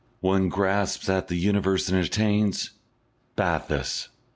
One grasps at the Universe and attains Bathos.